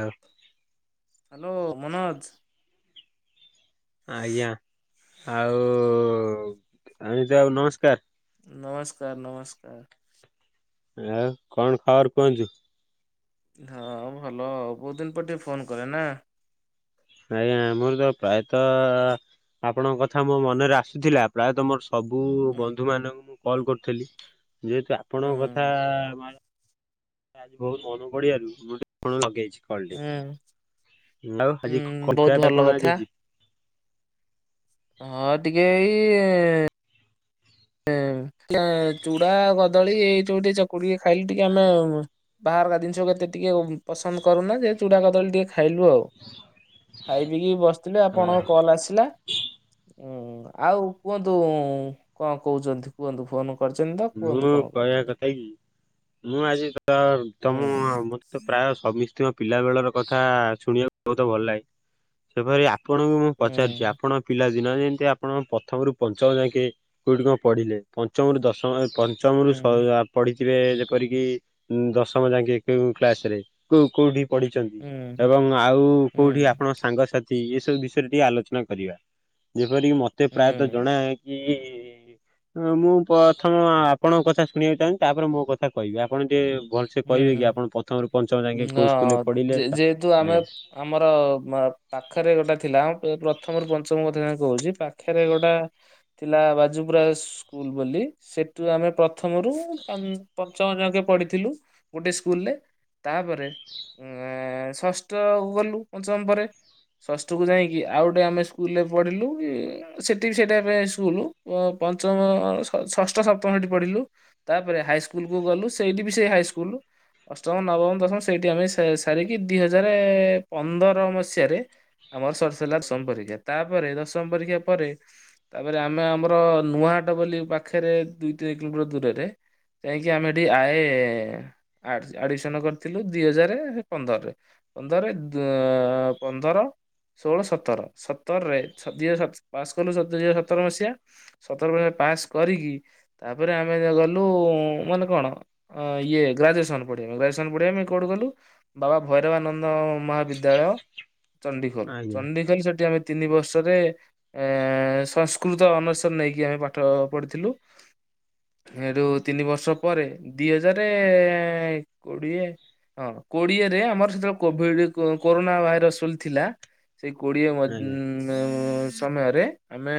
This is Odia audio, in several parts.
ହଁ। ହାଲୋ ମନୋଜ୍ ଆଜ୍ଞା ଆଉ ମନୋଜ୍ ବାବୁ ନମସ୍କାର। ନମସ୍କାର ନମସ୍କାର। ଆଉ କଣ ଖବର କୁହନ୍ତୁ? ହଁ ଭଲ ବହୁତ ଦିନ ପରେ ଟିକେ ଫୋନ କଲେ ନା? ଆଜ୍ଞା ମୋର ତ ପ୍ରାୟତଃ ଆପଣଙ୍କ କଥା ମୋ ମନରେ ଆସୁଥିଲା ପ୍ରାୟତଃ ମୋର ସବୁ ହୁଁ ବନ୍ଧୁ ମାନଙ୍କୁ ମୁଁ କଲ୍ କରିଥିଲି ଯେହେତୁ ଆପଣଙ୍କ କଥା ମର ଆଜି ବହୁତ ମନେ ପଡିିବାରୁ ମୁ ଟେ କଣ ଲଗେଇଛି। କଲ୍ ହୁଁ ଟି ଆଉ ହୁଁ ଆଜି କ ବହୁତ ଖିଆ ପିଆ ଭଲ କଣ ଆଜି କଥା। ହେଇଛି? ହଁ ଟିକେ ଏଇ ହଁ ଚୁଡା କଦଳୀ ଏଇ ଯୋଉଠ ଚକୁଢିକି ଟିକେ ଖାଇଲେ ଟିକେ ଆମେ ବା ର ଜିନିଷ କେତେ ଟିକେ ପସନ୍ଦ କରୁନା ଯେ ଚୁଡା କଦଳୀ ଟିକେ ଖାଇଲୁ ଆଉ ଖାଇ ପିଇକି ବସିଥିଲି ଆପଣଙ୍କ କଲ୍ ଆସିଲା ଉଁ ଆଉ କୁହନ୍ତୁ କଣ କହୁଛନ୍ତି କୁହନ୍ତୁ ଫୋନ କରିଛନ୍ତି ତ ମୁଁ କୁହନ୍ତୁ କଣ କହିବା କହୁଥିଲେ। କଥା କି ମୁଁ ଆଜି ତ ତମ ହୁଁ ମତେ ପ୍ରାୟ ସମିସ୍ତ୍ରୀକ ପିଲା ବେଳର କଥା ଶୁଣିବାକୁ ବହୁତ ଭଲ ଲାଗେ ସେପରି, ଆପଣଙ୍କୁ ମୁଁ ପଚାରୁଛି ହୁଁ ଆପଣଙ୍କ ପିଲା । ଦିନ ଯେମିତି ଆପଣ ପ୍ରଥମରୁ ପଞ୍ଚମ ଯାକେ କୋଉଠି କଣ ପଢ଼ିଲେ ପଞ୍ଚମରୁ ଦଶମ । ପଞ୍ଚମରୁ ସ ହୁଁ। ଆ ପଢ଼ି। ଥିବେ ଯେପରିକି ଦଶମ ଯାକେ କେଉଁ କ୍ଲାସ ରେ କୋଉ କୋଉଠି। ପଢିଛନ୍ତି ଏବଂ ଆଉ କୋଉଠି ଆପଣ ସାଙ୍ଗସା ଥି ଏସବୁ ବିଷୟରେ ଟିକେ ଆଲୋଚନା କରିବା ଯେପରିକି ମତେ ପ୍ରାୟତଃ ଜଣା କି ମୁଁ ପ୍ରଥମ ଆପଣଙ୍କ କଥା ଶୁଣିବାକୁ ଚାହୁଁଛି ତାପରେ ମୋ କଥା କହିବି ଆପଣ ଟିକେ। ଭଲସେ ହୁଁ କହିବେ କି ଆପଣ ପ୍ରଥମରୁ ପଞ୍ଚମ ଯାକେ ହୁଁ କୋଉ ସ୍କୁଲରେ ହଁ ପଢିଲେ ଯେହେତୁ ଆମେ ଆଜ୍ଞା ଆମର । ପାଖରେ ଗୋଟେ ଥିଲା ଆମ ପ୍ରେ ବ୍ଲକ ପ୍ରଥମରୁ ପଞ୍ଚମ କଥା ଯା କହୁଛି ପାଖରେ ଗୋଟେ ଥିଲା ବାଜୁପୁରା ସ୍କୁଲ ବୋଲି ସେ ତୁ ଆମେ ପ୍ରଥମରୁ ପଞ୍ଚମ ଜାକେ ପଢିଥିଲୁ ଗୋଟେ ସ୍କୁଲରେ । ତାପରେ ଅଆ ଷଷ୍ଠ ଗଲୁ ପଞ୍ଚମ ପରେ। ଷଷ୍ଠକୁ ଯାଇକି ଆଉ ଗୋଟେ ଆମେ ସ୍କୁଲରେ ପଢିଲୁ କି ସେଠି ବି ସେଇଟା ପାଇଁ ସ୍କୁଲ। ପଞ୍ଚମ ଷଷ୍ଠ ସପ୍ତମ ହେଠି ପଢ଼ିଲୁ ତାପରେ ହାଇସ୍କୁଲକୁ ଗଲୁ ସେଇଠି ବି ସେଇ ହାଇସ୍କୁ ଶୁଲୁ। ଅଷ୍ଟମ ନବମ ଦଶମ ସେଇଠି ଆମେ ସା ସାରିକି ଦି ହଜାରେ ପନ୍ଦର ମସିହାରେ। ଆମର ସରି ସରିଲା ଦଶମ ପରୀକ୍ଷା ତାପରେ ଦଶମ ପରୀକ୍ଷା ପରେ ତାପରେ ଆମେ ଆମର ନୂଆ ହାଟ ବୋଲି ପାଖରେ ଦୁଇ ତିନି କିଲୋମିଟର ଦୂରରେ ଯାଇକି ଆମେ ଏଠି ଆଏ। ଆଡ ଆଡମିସନ କରିଥିଲୁ ଦିଇ ହଜାରେ ପନ୍ଦରରେ ପନ୍ଦରେ ଡେ ପନ୍ଦର ଷୋହଳ ସତର ସତରରେ ଦୁଇ ପାସ୍ କଲୁ ଦୁଇ ସତର ମସିହା ସତର ମସିହା ପାସ୍ କରିକି ତାପରେ ଆମେ ଗଲୁ ମାନେ କଣ ଇଏ। ଗ୍ରାଜୁଏସନ୍ ପଢ଼ିବାମେ ଗ୍ରାଜୁଏସନ୍ ପଢ଼ିବାମେ କେଉଁଠି ଗଲୁ ବାବା ଭୈରବାନନ୍ଦ ମହାବିଦ୍ୟାଳୟ। ଚଣ୍ଡିଖୋଲ ଆଜ୍ଞା ଚଣ୍ଡିଖୋଲ ସେଠି ଆମେ ତିନି ବର୍ଷରେ ଏ ସଂସ୍କୃତ ଅନର୍ସରେ ନେଇକି ଆମେ ପାଠ ପଢିଥିଲୁ। ଏ ରୁ ତିନି ବର୍ଷ ପରେ ଦି ହଜାରେଏଏ କୋଡିଏ ହଁ କୋଡିଏରେ ଆମର ସେତେବେଳେ କୋଭିଡ କୋରୋନା ଭାଇରସଥିଲା। ସେଇ କୋଡ଼ିଏ ଆଜ୍ଞା। ସମୟରେ ଆମେ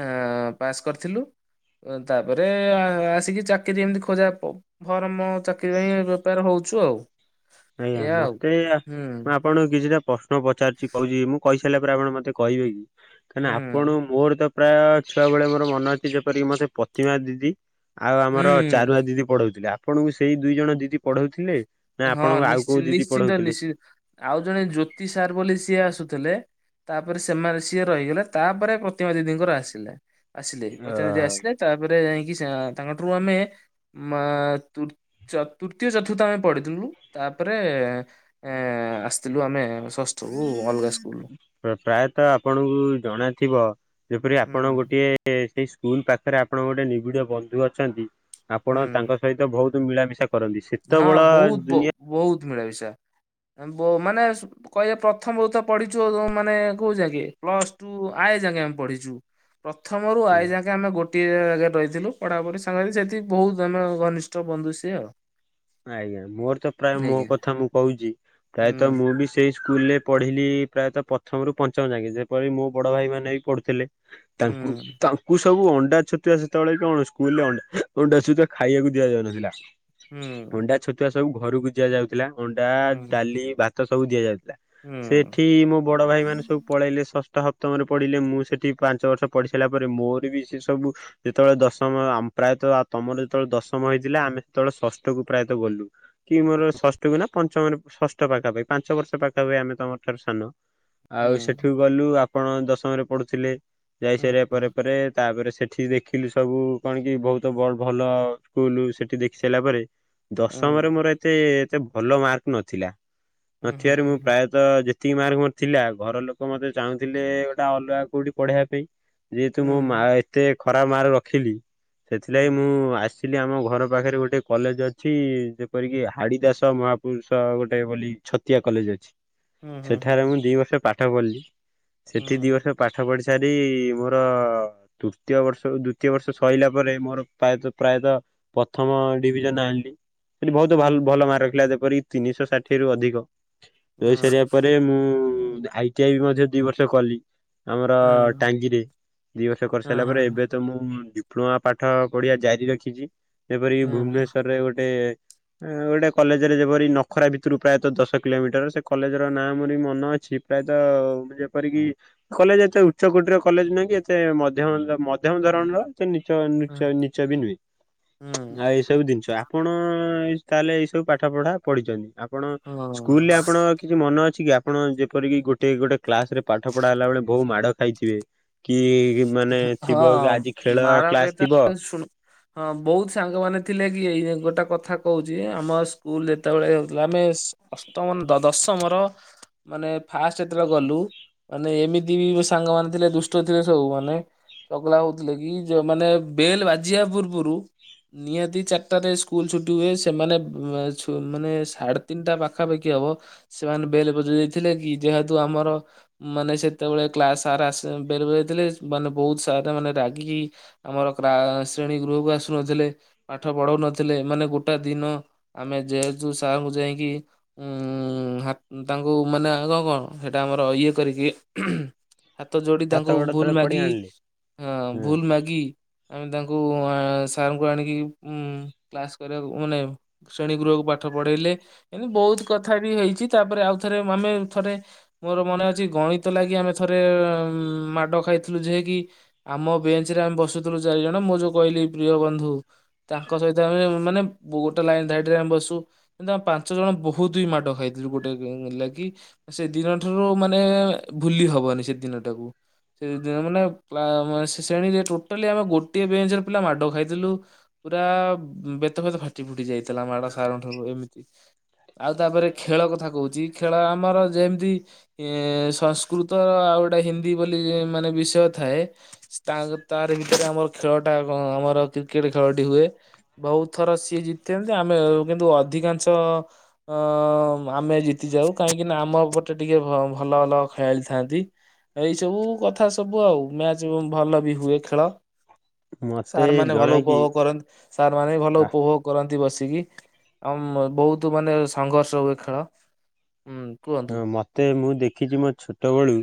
ଆ ପାସ୍ କରିଥିଲୁ। ତାପରେ ଆସିକି ଚାକିରି ଯେମିତି ଖୋଜା ଫର୍ମ ଚାକିରି ପାଇଁ‌ ପ୍ରୀପାର ହଉ କହୁଛୁ ଆଉ। ଆଜ୍ଞା ଏଇଆ ଆଉ ମତେ ହୁଁ ଆପଣ କିଛିଟା ପ୍ର ପ୍ରଶ୍ନ ପଚାରୁଛି କହୁଛି ମୁଁ କହିସାରିଲା ପରେ ଆପଣ ମତେ କହେ କି କାହିଁକିନା ହୁଁ ଆପଣ ମୋର ତ। ପ୍ରାୟ ଛୁଆବେଳେ ମୋର ମନେ ଅଛି ଯେପରିକି ମୋତ ପ୍ରତିମା ଦିଦି। ଆଉ ଆମର ହୁଁ ଚାରୁଆ ଦିଦି ପଢଉଥିଲେ ଆପଣଙ୍କୁ ସେଇ ଦୁଇ ଜଣ ଦିଦି ପଢଉଥିଲେ ନା ଆପଣ। ହଁ ନିଶ୍ଚି ନିଶ୍ଚିନ୍ତ ନିଶ୍ଚି ଆଉ ଜଣେ ଜ୍ୟୋତି ସାର୍ ବୋଲି ସିଏ ଆସୁ ଥିଲେ ତାପରେ ସେମାନେ ସିଏ ରହିଗଲେ ତାପରେ ପ୍ରତିମା ଦିଦିଙ୍କର ଆସିଲା। ଆସିଲେ ଅ ପ୍ରତିନିଧି ଆସିଲେ ତାପରେ ଯାଇକି। ତାଙ୍କଠାରୁ ଆମେ ତ ତୃତୀୟ ଚତୁର୍ଥ ଆମେ। ପଢିଥିଲୁ ତାପରେ ଏଏ ଆସିଥିଲୁ ଆମେ ଷଷ୍ଠରୁ। ପ୍ରାୟତଃ ଆପଣଙ୍କୁ ଜଣାଥିବ ଯେପରି ଆପଣ ହୁଁ ଗୋଟିଏ ସେଇ। ସ୍କୁଲ ପାଖରେ ଆପଣ ଗୋଟେ ନିବିଡ଼ ବନ୍ଧୁ ଅଛନ୍ତି ଆପଣ ହୁଁ ତାଙ୍କ ସହିତ ବହୁତ ମିଳାମିଶା। କରନ୍ତି ହଁ ସେତେବେଳ ବହୁତ ବ ଦୁନିଆ। ବହୁତ ମିଳାମିଶା। ମାନେ କହିବେ ପ୍ରଥମରୁ ତ ପଢିଛୁ ମାନେ କଉଜାକେ ପ୍ଲସ ଟୁ ଆଏ ଆଏ ଯାକେ ପଢିଛୁ ପ୍ରଥମରୁ ଆଏ ଯାକେ ଆମେ ଗୋ ଗୋଟିଏ ଜାଗାରେ ରହିଥିଲୁ ପଢାପଢି ସାଙ୍ଗରେ ସେଠି ବହୁତ ଜ ଘନିଷ୍ଠ ବନ୍ଧୁ ସିଏ ଆଉ। ଆଜ୍ଞା ମୋର ତ ପ୍ରାୟ ମୋ ଆଜ୍ଞା କଥା ମୁଁ କହୁଛି ପ୍ରାୟତଃ ହୁଁ ମୁଁ ବି ସେଇ। ସ୍କୁଲ ରେ ପଢ଼ିଲି ପ୍ରାୟତଃ ପ୍ରଥମରୁ ପଞ୍ଚମ ଯାକେ ଯେପରି ମୋ ବଡ ଭାଇ ମାନେ ବି ପଢୁଥିଲେ। ତାଙ୍କୁ ହୁଁ ତାଙ୍କୁ। ସବୁ ଅଣ୍ଡା ଛତୁଆ ସେତେବେଳେ କଣ ସ୍କୁଲ ରେ ଅଣ୍ଡା ଛତୁଆ ଖାଇବାକୁ ଦିଆଯାଉନଥିଲା। ହୁଁ ଅଣ୍ଡା ଛତୁଆ ସବୁ ଘରୁକୁ ଦିଆଯାଉଥିଲା ଅଣ୍ଡା ହୁଁ ଡାଲି ଭାତ ସବୁ ଦିଆଯାଉ ଲା ହୁଁ ସେଠି ମୋ ବଡ଼ ଭାଇମାନେ ସବୁ ପଳେଇଲେ ଷ ଟ ହପ୍ତମରେ ପଢ଼ିଲେ ମୁଁ ସେଠି ପାଞ୍ଚ ବର୍ଷ ପଢ଼ି ସାଇଲା ପରେ ମୋର ବି ସେ ସବୁ ଯେତଳେ ଦଶମ ଆ ପ୍ରାୟତଃ ତମର ଯେତୋଳେ ଦଶମ ହେଇଥିଲା ଆମେ ସେତୋଳେ ଷଷ୍ ଟକୁ ପ୍ରାୟତଃ ଗଲୁ କି ମୋର ଷଷ୍ଠକୁ ନା ପଞ୍ଚମରେ ଷଷ୍ଠ ପାଖାପା ପାଞ୍ଚ ବର୍ଷ ପାଖାପାଖି ଆମେ ତମ ଠାରୁ ସାନ। ହୁଁ। ଆଉ ସେଠୁ ଗଲୁ ଆପଣ ଦଶମରେ ପଢ଼ୁଥିଲେ ଯାଇ ହୁଁ ସାରିବା ପରେ ପରେ ତାପରେ ସେଠି ଦେଖିଲୁ ସବୁ କଣ କି ବହୁତ ବ ଭଲ ସ୍କୁଲ୍ ସେଠି ଦେଖି ସାଇଲା ପରେ ଦଶମରେ ହୁଁ ମୋର ଏତେ ଏତେ ଭଲ ମାର୍କ ନଥିଲା। ନଥିବାରୁ ହୁଁ ହୁଁ ହୁଁ ମୁଁ ହୁଁ ପ୍ରାୟତଃ ଯେ ତି ମାର୍କ ମୋର ଥିଲା ଘର ଲୋକ ମତେ ଚାହୁଁଥିଲେ ଗୋଟା ଅଲଗା କୋଉଠି ପଢ଼େଇବା ପାଇଁ। ଯେହେତୁ ମୋ ମା ହୁଁ। ଏତେ ଖରାପ ମାର୍କ ରଖିଲି ସେଥିଲାଗି ମୁଁ ହୁଁ ଆସ୍ ଇଲି ଆମ ଘର ପାଖରେ ଗୋଟେ କଲେଜ୍ ଅଛି ଯେପରି କି ହାଡିଦାସ ମହାପୁରୁଷ ଗୋଟେ ବୋଲି ଛତିଆ କଲେଜ୍ ଅଛି। ହୁଁ ହୁଁ ସେଠାରେ ହୁଁ ମୁଁ ଦି ବର୍ଷ ପାଠ ପଢ଼ିଲି ସେଠି ଦି ହୁଁ ବର୍ଷ ପାଠ ପଢିି଼ ସାରି ମୋର ତୃତୀୟ ବର୍ଷ ଦୁତୀୟ ବର୍ଷ ସରିଲା ପରେ ମୋର ପ୍ରାୟତଃ ପ୍ରାୟତଃ ପଥମ ଡିଭିଜନ୍ ଆଣିଲି କଲି ଭୋଉତ ହୁଁ ହୁଁ ହୁଁ ଭ ହୁଁ ଭଲ ମାର୍କ ରଖିଲା ଯେପରି ତିନିଶ ଷାଠିଏରୁ ଅଧିକ। ରହି ସାରିବା ପରେ ମୁଁ ଆଇ ଟି ଆଇ ବି ମଧ୍ୟ ଦି ବର୍ଷ କଲି। ଆମର ଟାଙ୍ଗିରେ ଦି ବର୍ଷ ହୁଁ କରିସାଇଲା ପରେ ଏବେ ତ ମୁଁ ପ୍ନୂଆ ପାଠ ପଢି଼ଆ ଜାରି ରଖିଚି ଯେପରି କି ହୁଁ ହୁଁ। ଭୁବନେଶ୍ୱରରେ ଗୋଟେ ଏଁ ଗୋଟେ କଲେଜ୍ ରେ ଯେପରି ନଖରା ଭିତୁରୁ ପ୍ରାୟତଃ ଦଶ କିଲୋମିଟର୍ ସେ କଲେଜ୍ ର ନାଁ ମୋର ବି ମନ ଅ ଛି ପ୍ରାୟତ ଯେପରି କି କଲେଜ୍ ଏତେ ଉଚ୍ଚ କୋଟୀର କଲେଜ୍ ନୁହଁ କି ଏତେ ମଧ୍ୟମ ତା ମ ଧ୍ୟମ ଧରଣର ସେ ନିଚ ନିଚ ନିଚ ବି ନୁହେଁ ହୁଁ ଆଉ ଏ ସବୁ ଦିନିଷ ଆପଣ ଅଁ ଏଇ ତାହେଲେ ଏଇ ସବୁ ପାଠ ପଢ଼ା ପଢ଼ିଚନ୍ତି ଆପଣ ସ୍କୁଲ୍ ହଁ ରେ ଆପଣଙ୍କ କିଛି ମନ ଅ ଛି କି ଆପଣ ଯେପରି କି ଗୋଟେ ଗୋଟେ କ୍ଲାସ୍ ରେ ପାଠ ପଢ଼ା ହେଲା ବେଳେ ବହୁ ମାଡ଼ ଖାଇଥିବେ କି ମାନେ ଥିବ ହଁ ହଁ ଆଜି ଖେଳ ମାଡ଼ କ୍ଲାସ କଥା ଥିବ ଶୁଣ ହଁ ବହୁତ ସାଙ୍ଗମାନେ ଥିଲେ କି ଏଇ ଗୋଟା କଥା କହୁଚି ଆମ ସ୍କୁଲ୍ ଯେତବେଳେ ହେଉଥିଲା ଆମେ ସ୍ ଅଷ୍ଟମ ନାଁ ଦ ଦଶ୍ ତମର ମାନେ ଫାଷ୍ଟ ଏତେଳେ ଗଲୁ ମାନେ ଏମିତି ବି ସାଙ୍ଗମାନେ ଥିଲେ ଦୁଷ୍ଟ ଥିଲେ ସବୁ ମା ନେ ଚଗଲା ହୋଉଥୁଲେ କି ଯୋଉ ମାନେ ବେଲ୍ ବାଜିିବା ପୂର୍ବରୁ ନିହାତି ଚାରିଟାରେ ସ୍କୁଲ ଛୁଟି ହୁଏ ସେମାନେ ବୁ ଛୁ ମାନେ ସାଢ଼େ ତିନିଟା ପାଖାପାଖି ଦବ ସେମାନେ ବେଲ୍ ବଜେଇ ଦେଇଥିଲେ କି ଯେହେତୁ ଆମର ଉଁ ମାନେ ସେତେବେଳେ କ୍ଲାସ୍ ସାର୍ ଆସି ବେଲ୍ ବଜେଇଥିଲେ ମାନେ ବହୁତ ସାରେମାନେ ରାଗିକି ଆମର କ୍ରା ଶ୍ରେଣୀ ଗୃହକୁ ଆସୁନଥିଲେ ପାଠ ପଢ଼ଉ ନଥିଲେ ମାନେ ଗୋଟା ଦିନ ଆମେ ଯେହେତୁ ସାର୍ ଙ୍କୁ ଯାଇକି ଉଁ ହା ତାଙ୍କୁ ମାନେ ଆଗ କ ହେଟା ଆମର ଇଏ କରିକି ହାତ ଯୋଡ଼ି ହାତ ତାଙ୍କୁ ଗୋଡ ଭୁଲ୍ ତଳେ ପଡି ମାଗି ଆଣିଲେ। ଅଁ ହୁଁ ଭୁଲ୍ ମାଗି ଆମେ ତାଙ୍କୁ ଉଆଁ ସାର୍ ଙ୍କୁ ଆଣିକି ଉଁ କ୍ଲାସ୍ କରିବାକୁ ମାନେ ଶ୍ରେଣୀ ଗୃହକୁ ପାଠ ପଢ଼େଇଲେ। ଏନି ବହୁତ କଥା ବି ହେଇଛି ତାପରେ ଆଉ ଥରେ ଆମେ ଥରେ ମୋର ମନେ ଅଛି ଗଣିତ ଲାଗି ଆମେ ଥ ଥରେ ମାଡ଼ ଖାଇ ଥୁଲୁ ଯେହେକି ଆମ ବେଞ୍ଚ୍ ରେ ଆମେ ବସୁଥିଲୁ ଚାରି ଜଣ ମୁଁ ଯୋଉ କହିଲି ପ୍ରିୟ ବନ୍ଧୁ ତାଙ୍କ ସହିତ ଆମେ ମାନେ ବୋ ଗୋଟେ ଲାଇନ୍ ଧାଡ଼ିରେ ଆମେ ବସୁ କିନ୍ତୁ ଆମେ ପାଞ୍ଚ ଜଣ ବୋହୁତ ବି ମାଡ଼ ଖାଇଥିଲୁ ଗୋଟେ କେଉଁ ମିଲା କିି ଆ ସେ ଦିନ ଠାରୁ ମାନେ ଭୁଲି ହବନି ସେ ଦିନଟାକୁ। ଏଇଦିନ ମାନେ କ୍ଲା ମାନେ ସେ ଶ୍ରେଣୀରେ ଟୋଟାଲି ଆମେ ଗୋଟିଏ ବେଞ୍ଚ୍ ର ପିଲା ମାଡ଼ ଖାଇଥିଲୁ ପୁରା ଆ ବେତ ଫେତ ଫାଟି ଫୁଟି ଯାଇଥ ଥିଲା ମାଡ଼ ସାର୍ ଙ୍କ ଠାରୁ ଏମିତି ଆଉ ତାପରେ ଖେଳ କଥା କହୁଚି ଖେଳ ଆମର ଯେମ୍ ତି ଇଁ ସଂସ୍କୃତ ଆଉ ଗୋଟେ ହିନ୍ଦୀ ବୋଲି ମାନେ ବିଷୟ ଥାଏ ତା ତାରି ଭିତରେ ଆମର ଖେଳଟା କଁ ଆମର କ୍ରିକେଟ୍ ଖେଳଟି ହୁଏ। ବହୁତ ଥର ସିଏ ଜିତିନ୍ତି ଆମେ କିନ୍ତୁ ଅଧିକାଂଶ ଅ ଆମେ ଜିତି ଯାଉ। କାହିଁକିନା ଆମ ପଟେ ଟିକେ ଭ-ଭଲ ଭଲ ଖେଳାଳି ଥାନ୍ତି। ଏଇ ସବୁ କଥା ସବୁ ଆଉ ମ୍ୟାଚ୍ ଭଲ ବି ହୁଏ ଖେଳ। ମତେ ସାର୍ ମାନେ ଭଲ ଜଣାକି ଉପଭୋଗ କରନ୍ତି। ସାର୍ ମାନେ ବି ଭଲ ଉପଭୋଗ କରନ୍ତି ବସି ଟିକି ଆଉ ମୋ ବହୁତ ମାନେ ସଂଘର୍ଷ ହୁଏ ଖେଳ। ହୁଁ କୁହନ୍ତୁ ହଁ ମୋତେ ମୁଁ ଦେଖିଛି ମୋ ଛୋଟବେଳୁ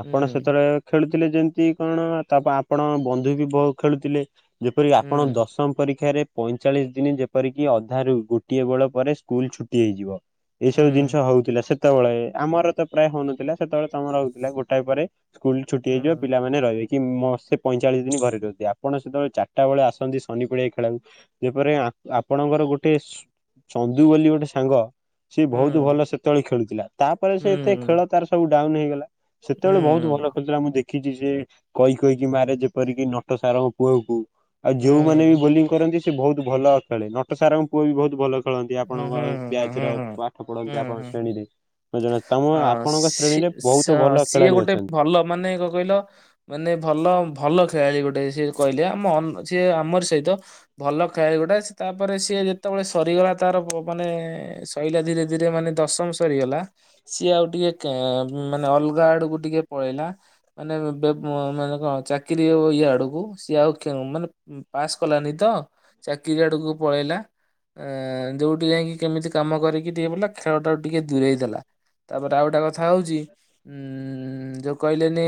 ଆପଣ ହୁଁ ସେତଳେ ଖେଳୁ ଥିଲେ ଯେମିତି କଣ ତାପ ଆପଣ ବନ୍ଧୁ ବି ବ- ଖେଳୁଥିଲେ। ଯେପରି କି ଆପଣ ହୁଁ ଦଶମ ପରୀକ୍ଷାରେ ପଇଁଚାଳିଶ ଦିନ ଯେପରିକି ଅଧାରୁ ଗୋଟିଏ ବଳ ପରେ ସ୍କୁଲ୍ ଛୁଟି ହେଇଯିବ। ଏଇ ସବୁ ହୁଁ ଜିନିଷ ହଉଥିଲା ସେତେବେଳେ ଆମର ତ ପ୍ରାୟ ହଉ ନଥିଲା। ସେତେବେଳେ ତୋମର ହଉଥିଲା ଗୋଟାଏ ପରେ। ସ୍କୁଲ୍ ଛୁଟି ହେଇଯିବ ହୁଁ ପିଲାମାନେ ରହିବେ। କି ମ- ସେ ପଇଁଚାଳିଶ ଦିନ ଘରେ ରୁହନ୍ତି। ଆପଣ ସେତେବେଳେ ଚାଟା ବଳେ ଆସନ୍ତି ଶନି ପଡିଆ ଖେଳିଆକୁ। ଯେପରେ ଆଁ, ଆପଣଙ୍କର ଗୋଟେ ଚନ୍ଦୁ ବୋଲି ଗୋଟେ ସାଙ୍ଗ ସିଏ ବହୁତ ହୁଁ ଭଲ ସେତେବେଳେ ଖେଳୁଥିଲା। ତାପରେ ସେ ହୁଁ ଏତେ ଖେଳ ତାର ସବୁ ଡାଉନ ହେଇଗଲା। ହୁଁ ହୁଁ ସେତେବେଳେ ବହୁତ ଭଲ ଖେଳୁଥିଲା ମୁଁ ଦେ ଦେଖିଚି ସେ କହି କହିକି ମାରେ ଯେପରିକି ନଟ ସାର୍ ଙ୍କ ପୁଅକୁୁ। ଆଉ ହୁଁ ଯୋଉମାନେ ବି ହୁଁ ବୋଲିଂ କରନ୍ତି ସେ ବହୁତ ଭଲ ଖେଳେ। ନଟ ସାର୍ ଙ୍କ ପୁଅ ବି ବହୁତ ଭଲ ଖେଳନ୍ତି ହୁଁ ଆପଣଙ୍କ ହୁଁ ବ୍ୟାଚ୍ ର ହୁଁ ପାଠ ହୁଁ ପଢନ୍ତି ହୁଁ ଆପଣଙ୍କ ଶ୍ରେଣୀରେ। ଓ ଜଣେ ହଁ ସି- ସ- ସିଏ ଖେଳାଳି ଗୋଟେ ଅଛନ୍ତି। ଭଲ ମାନେ କ କହିଲ ମାନେ ଭଲ ଭଲ ଖେଳାଳି ଗୋ ଟେ ସେ କହିଲେ ଆ, ମନ ସିଏ ଆମର ସହିତ ଭଲ ଖେଳେ ଗୋଟେ। ତାପରେ ସିଏ ଯେତେବେଳେ ସରି [unintelligible] ତାର ବ-ମାନେ ସଇଲା ଧୀରେ ଧୀରେ ମାନେ ଦଶମ ସରିଗଲା। ସିଏ ଆଉ ଟିକେ କେଁ- ଉଁ, ମାନେ ଅଲଗା ଆଡକୁ ଟିକେ ପଳେଇଲା। ମାନେ ବେ-ଅଁ, ମାନେ କଣ ଚାକିରି ତ ଇଆଡକୁ ସିଏ ଆଉ ଖ-ମାନେ ଉଁ, ପାସ୍ କଲାନି ତ ଚାକିରି ଆଡକୁ ପଳେଇଲା। ଅ, ଯୋଉଟି ଯାଇକି କେମିତି କାମ କରିକି ଟିକେ ବୁଲ। ଖେଳଟାକୁ ଟିକେ ଦୂରେଇ ଦେଲା। ତାପରେ ଆଉ ଗୋଟେ କଥା ହଉଚି ଉଁ, ଯୋଉ କହିଲେନି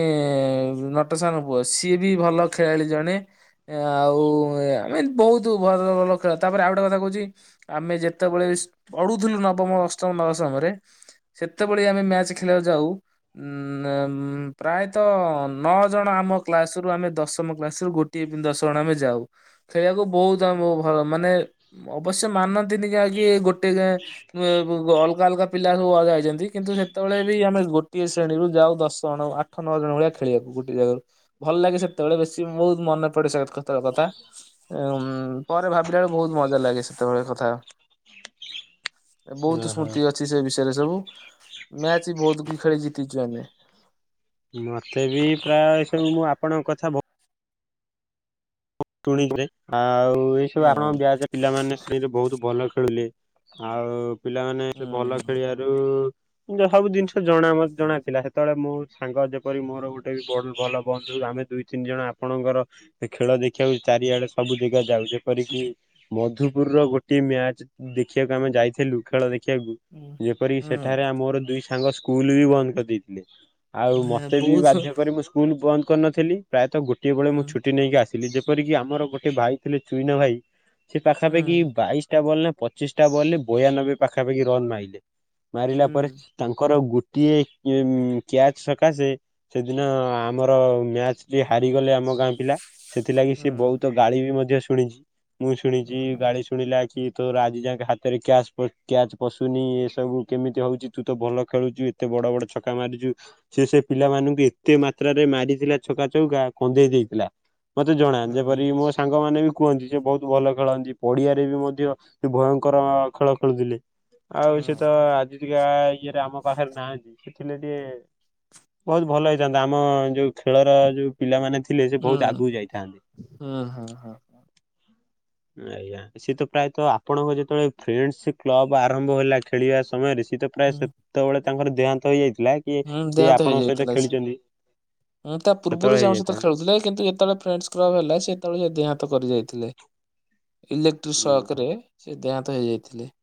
ନଟ ସାର୍ ଙ୍କ ପୁଅ ସିଏ ବି ଭଲ ଖେଳାଳି ଜଣେ। ଏ ଆଉ ଏ ଆମେ ବହୁତ ଭଲ ଭଲ ଖେଳ, ତାପରେ ଆଉ ଗୋଟେ କଥା କହୁଚି ଆମେ ଯେତେବେଳେ ପଢୁଥୁଲୁ ନବମ ଅଷ୍ଟମ ମୋ ସମରେ ସେ ତେ ବଳି ଆମେ ମ୍ୟାଚ୍ ଖେଳିବାକୁ ଯାଉ ଉଁ, ଏ, ଉଁ, ପ୍ରାୟତ ନଅ ଜଣ ଆମ କ୍ଲା କାସ ରୁ ଆମେ ଦଶମ କ୍ଲାସ୍ ରୁ ଗୋଟିଏ ଦିନ ଦଶ ଜଣ ଆମେ ଯାଉ ।ଖେଳିବାକୁ ବହୁତ ଆମକୁ ଭଲ ମାନେ ଅବଶ୍ୟ ମାନନ୍ତିନି ଯାହାକି ଗୋଟେ ଏଁ, ବେ-ବ-ବ-ଅଲଗା ଅଲଗା ପିଲା ସବୁ ଅଲଗା ଆଇଚନ୍ତି। କିନ୍ତୁ ସେତେବେଳେ ବି ଆମେ ଗୋଟିଏ ଶ୍ରେଣୀରୁ ଯାଉ ଦଶ ଜଣ ଆଠ ନଅ ଜଣ ଭଳିଆ ଖେଳିବାକୁ ଗୁଟେ ଜାଗାରୁ। ଭଲ ଭଲ ଲାଗେ ସେତେବେଳେ ବେଶୀ ବହୁତ ମନେ ପଡେ ସେ କେତେଳ କଥା। ଏ, ଉଁ ପରେ ଭାବିଲା ବେଳେ ବହୁତ ମଜା ଲାଗେ ସେତେବେଳେ କଥା। [inaudible] ଏ ବହୁତ ଓହୋ। ସ୍ମୃତି ଅଛି ସେ ବିଷୟରେ ସବୁ। ମ୍ୟାଚ୍ ବି ବହୁତ କି ଖେଳି ଜିତିଚୁ ଆମେ। ମୋତେ ବି ପ୍ରାୟ ସବୁ ମୁଁ ଆପଣଙ୍କ କଥା ଭ ଶୁଣିଚି, ଆଉ ଏ ସବୁ ହୁଁ ଆପଣଙ୍କ ବ୍ୟାଚ୍ ପିଲାମାନେ ସେରେ ବହୁତ ଭଲ ଖେଳୁଲେ। ଆଉ ପିଲାମାନେ ସେ ଭଲ ହୁଁ ଖେଳିବାରୁ ଯୋ ସବୁ ଜିନିଷ ଜଣା ମ- ଜଣା ଥିଲା। ସେତେବେଳେ ମୋ ସାଙ୍ଗ ଯେପରି ମୋର ଗୋଟେ ବି ବଲ ଭଲ ବନ୍ଧୁ ଆମେ ଦୁଇ ତିନି ଜଣ ଆପଣଙ୍କର ଦେ ଖେଳ ଦେ ଦେଖିବାକୁ ଚାରିଆଡେ ସବୁ ଜାଗା ଯାଉ। ଯେପରିକି ମଧୁପୁର ର ଗୋଟେ ମ୍ୟାଚ୍ ଦେଖିବାକୁ ଆମେ ଯାଇଥିଲୁ ଖେଳ ଦେ ଖିବାକୁ ହୁଁ ଯେପରିକି ହୁଁ। ସେଠାରେ ଆ, ମୋର ଦୁଇ ସାଙ୍ଗ ସ୍କୁଲ୍ ବି ବନ୍ଦ କରିଦେଇଥିଲେ। ଆଉ ହଁ ମୋତେ ବି ବହୁତ ବାଧ୍ୟ କରି ମୁଁ ସ୍କୁଲ୍ ବନ୍ଦ କରିନଥିଲି। ପ୍ରାୟତଃ ଗୋଟିଏ ବେଳେ ମୁଁ ହୁଁ ଛୁଟି ନେଇକି ଆସିି ଥିଲି। ଯେପରିକି ଆମର ଗୋଟେ ଭାଇ ଥିଲେ ଚୁଇନା ଭାଇ ସେ ହୁଁ ପାଖାପାଖି ବାଇଶ ଟା ବଲ୍ ନା ପଚିଶଟା ବଲ୍ ରେ ବୟାନବେ ପାଖାପାଖି ରନ୍ ମାଇଲେ। ମାରିଲା ହୁଁ ପରେ ତାଙ୍କର ଗୁ କିଏ କିଏ ମଁ କ୍ୟାଚ ସକାଶେ ସେଦିନ ଆମର ମ୍ୟାଚ ଟି ହାରିଗଲେ ଆମେ ଆମ ଗାଁ ପିଲା ସେଥିଲାଗି ସେ ହୁଁ। ବହୁତ ଗାଳି ବି ମଧ୍ୟ ଶୁଣିଛି ମୁଁ ଶୁନେଇଚି ହୁଁ ଗାଳି ଶୁଣିଲା କି ତୋର ଆଜି ଯାଙ୍କେ ହାତରେ କ୍ୟାଚ ପ କ୍ୟାଚ ପଶୁନି ଏସବୁ କେମିତି ହଉଚି ତୁ ତ ଭଲ ଖେଳୁଚୁ ଏତେ ଭଲ ବଡ ବଡ ଛକା ମାରିଚୁ ସେ ସେ ପିଲାମାନଙ୍କୁ ଏତେ ମାତ୍ରାରେ ମାରିଥିଲା ଛକା ଚୌକା କନ୍ଦେଇ ଦେଇ ଥିଲା ମତେ ଜଣା ହୁଁ ଯେପରି ମୋ ସାଙ୍ଗ ମାନ ବି କୁହନ୍ତି ସେ ବହୁତ ଭଲ ଖେଳନ୍ତି ପଡିଆରେ ବି ମଧ୍ୟ ସେ ଭୟଙ୍କର ଖେଳ ଖେଳୁଥିଲେ ଆଉ ହୁଁ ସେ ତ ଆଜି ଟିକେ ଆ ଇଏରେ ଆମ ପାଖରେ ନାହାନ୍ତି ଥିଲେ ଟିକେ ବହୁତ ଭଲ ହେଇଥାନ୍ତା ଆମ ଯୋଉ ଖେଳର ଯୋଉ ପିଲାମାନେ ଥିଲେ ସେ ବହୁତ ଆଗକୁ ଯାଇଥିଲେ। ଅଁ ହଁ ହଁ ହ। [inaudible] ଆଜ୍ଞା ସିଏ ତ ପ୍ରାୟତଃ ଆପଣଙ୍କ ଯେତେବେଳେ ଫ୍ରେଣ୍ଡସ କ୍ଲବ ଆରମ୍ଭ ହେଲା ଖେଳିବା ସମୟରେ ସେ ତ ପ୍ରାୟ ହୁଁ ସେତେବେଳେ ତାଙ୍କର ଦେହାନ୍ତ ହେଇଯାଇଥିଲା କି ହୁଁ ସିଏ ଦେହାନ୍ତ ଆପଣଙ୍କ ସହିତ ହେଇଯାଇଥିଲା ସେ। ଖେଳିଛନ୍ତି? ମୁଁ ତା ପୂର୍ବରୁ ସେତେବେଳେ ସେ ଆମ ସହିତ ହେଇଯାଇଥାଏ। ଖେଳୁଥିଲେ କିନ୍ତୁ ଯେତେବେଳେ ଫ୍ରେଣ୍ଡସ ପ୍ରର ହେଲା ସେତେବେଳେ ସେ ଦେହାନ୍ତ କରି ଯାଇଥିଲେ ଇଲେକ୍ଟ୍ରି ଓହୋ। ସକରେ ସେ ଦେହାନ୍ତ ନ୍ତ ହେଇ ଯାଇଥିଲେ ।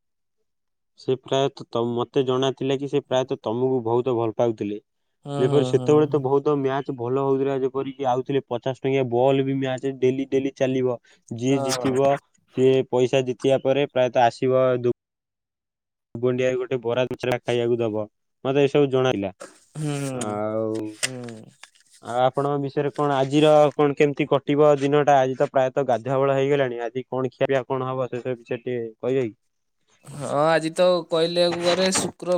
ସେ ପ୍ରାୟତଃ ତମ ମୋତେ ଜଣାଥିଲା କି ସେ ପ୍ରାୟତଃ ତମକୁ ବହୁତ ଭଲ ପାଉଥିଲେ ହୁଁ । ହୁଁ ଯେପରି ହୁଁ ସେତେବେଳେ ହୁଁ। ତ ବହୁତ ମ୍ୟାଚ ଭଲ ହଉଥିଲା ଯେପରିକି ଆଉଥିଲେ ପଚାଶ ଟଙ୍କିଆ ବଲ୍ ବି ମ୍ୟାଚରେ ଡେଲି ଡେଲି ଚାଲିବ ଯିଏ ହଁ। ଜିତିବ ସିଏ ପଇସା ଜିତିବା ପରେ ପ୍ରାୟତଃ ଆସିବ ଦୁ ବୁଣ୍ଡିଭାଇ ଗୋଟେ ବରା ଦି ଚାଟା ଖାଇବାକୁ ଦବ ମତେ ସବୁ ଜଣାଥିଲା ଆଉ ହୁଁ ହୁଁ ଆ ଆପଣଙ୍କ ବିଷୟରେ କଣ ଆଜିର କଣ କେମିତି କଟିବ ଦିନଟା ଆଜି ତ ପ୍ରାୟତଃ ଗାଧୁଆବେଳ ହେଇଗଲାଣି ଆଜି କଣ କି ଖିଆ ପିଆ କଣ ହବ ସେ ବିଷୟ ସେ ଟିକେ କହିିବେ କି? ହଁ ଆଜି ତ କହିଲେ ଘରେ ଶୁକ୍ର